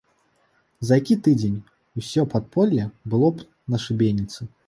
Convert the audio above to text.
За які тыдзень усё падполле было б на шыбеніцы.